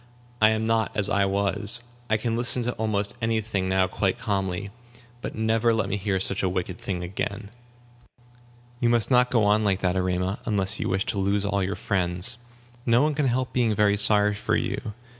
I am not as I was. I can listen to almost any thing now quite calmly. But never let me hear such a wicked thing again." "You must not go on like that, Erema, unless you wish to lose all your friends. No one can help being sorry for you.